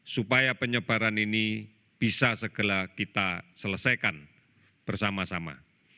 supaya penyebaran ini bisa segera kita selesaikan bersama sama